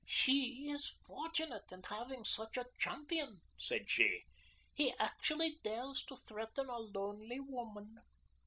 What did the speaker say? "She is fortunate in having such a champion," said she. "He actually dares to threaten a lonely woman.